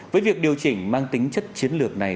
với việc điều chỉnh mang tính chất chiến lược này